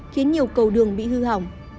khiến nhiều cầu đường bị hư hỏng